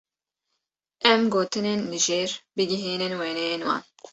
Em gotinên li jêr bigihînin wêneyên wan.